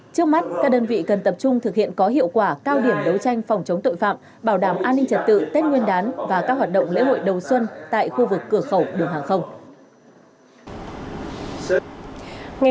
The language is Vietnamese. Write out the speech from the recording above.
trước mắt các đơn vị cần tập trung thực hiện có hiệu quả cao điểm đấu tranh phòng chống tội phạm bảo đảm an ninh trật tự tết nguyên đán và các hoạt động lễ hội đầu xuân tại khu vực cửa khẩu đường hàng không